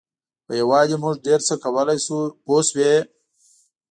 په یووالي موږ ډېر څه کولای شو پوه شوې!.